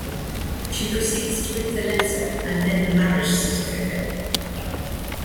She proceeds to rip the letter and then the marriage certificate.